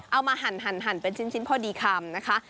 หั่นเป็นชิ้นพอดีคำนะคะ